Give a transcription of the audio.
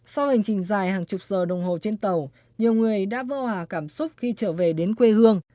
sau hành trình dài hàng chục giờ đồng hồ trên tàu nhiều người đã vô hòa cảm xúc khi trở về đến quê hương